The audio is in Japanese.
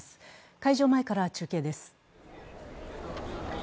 会場前から中継です。